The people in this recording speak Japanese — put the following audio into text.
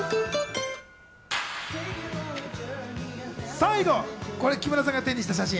最後木村さんが手にした写真。